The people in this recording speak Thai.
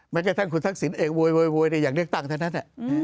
แม้กระทั่งคุณทักษิณเองโวยอย่างเลือกตั้งเท่านั้น